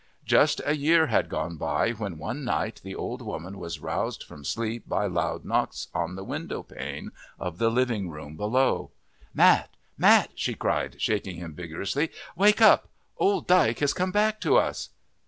Just a year had gone by when one night the old woman was roused from sleep by loud knocks on the window pane of the living room below. "Mat! Mat!" she cried, shaking him vigorously, "wake up old Dyke has come back to us!"